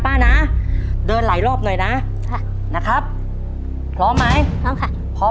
ป้านะเดินหลายรอบหน่อยนะค่ะนะครับพร้อมไหมพร้อมค่ะพร้อม